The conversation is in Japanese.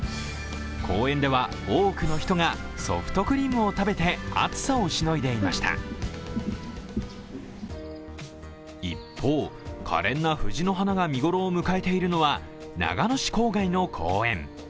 公園では、多くの人がソフトクリームを食べて一方、かれんな藤の花が見ごろを迎えているのは長野市郊外の公園。